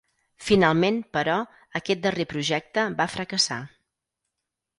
Finalment, però, aquest darrer projecte va fracassar.